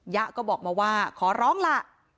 ะก็บอกมาว่าขอร้องล่ะ